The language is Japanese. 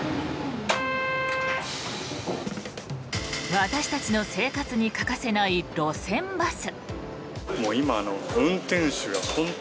私たちの生活に欠かせない路線バス。